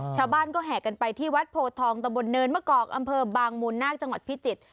ชาวบ้านก็แห่กันไปที่วัดโพทองตะบนเนินมะกอกอำเภอบางมูลนาคจังหวัดพิจิตร